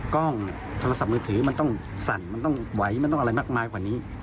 กล้องโทรศัพท์มือถือมันต้องสั่นมันต้องไหวมันต้องอะไรมากมายกว่านี้